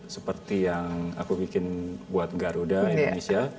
seperti yang aku bikin buat garuda indonesia